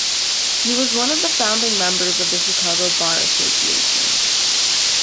He was one of the founding members of the Chicago Bar Association.